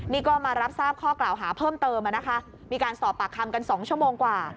นี่ก็มารับทราบข้อกล่าวหาเพิ่มเติมนะคะมีการสอบปากคำกัน๒ชั่วโมงกว่า